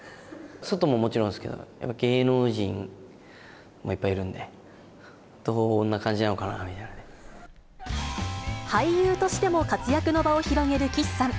外ももちろんですけど、芸能人いっぱいいるんで、どんな感じなの俳優としても活躍の場を広げる岸さん。